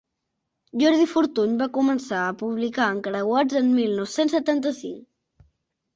Jordi Fortuny va començar a publicar encreuats en mil nou-cents setanta-cinc.